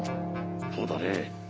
そうだね。